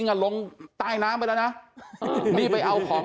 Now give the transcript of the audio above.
เพื่อจะเอามาจุดทูบก่อน